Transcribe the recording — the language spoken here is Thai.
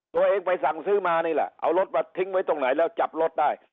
ตัวเองไปสั่งซื้อมานี่แหละเอารถมาทิ้งไว้ตรงไหนแล้วจับรถได้